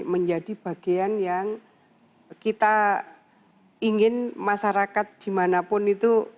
menjadi bagian yang kita ingin masyarakat dimanapun itu